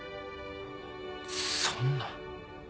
そんな。